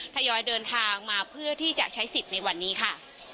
ยอยเดินทางมาเพื่อที่จะใช้สิทธิ์ในวันนี้ค่ะ